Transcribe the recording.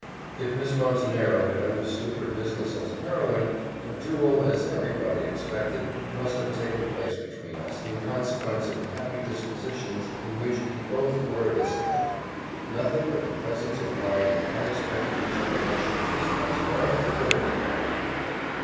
If Miss Montenero had understood her business as a heroine, a duel, as every body expected, must have taken place between us, in consequence of the happy dispositions in which we both were this night: nothing but the presence of mind and unexpected determination of Miss Montenero could have prevented it.